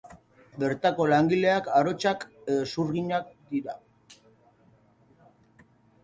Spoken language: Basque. Bertako langileak arotzak edo zurginak dira.